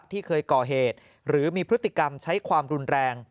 ที่เคยก่อเหตุหรือมีพฤติกรรมใช้ความรุนแรง